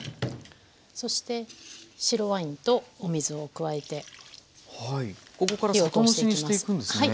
そして白ワインとお水を加えて火を通していきます。